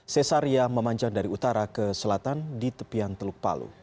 sesaria memanjang dari utara ke selatan di tepian teluk palu